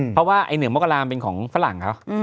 เพราะว่าไอ้หนึ่งมกราเป็นของฝรั่งเขา